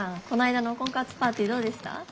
この間の婚活パーティーどうでした？